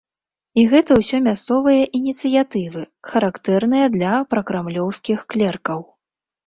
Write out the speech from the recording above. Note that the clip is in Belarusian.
І гэта ўсё мясцовыя ініцыятывы, характэрныя для пракрамлёўскіх клеркаў.